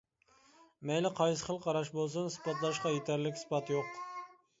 مەيلى قايسى خىل قاراش بولسۇن، ئىسپاتلاشقا يېتەرلىك ئىسپات يوق.